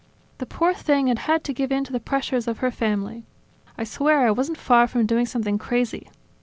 ... The poor thing had had to give in to the pressures of her family. I swear I wasn't far from doing something crazy.